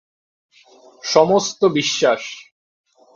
সমস্ত বিশ্বাস।